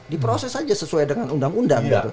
diproses saja sesuai dengan undang undang